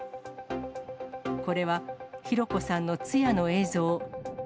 これは、弘子さんの通夜の映像。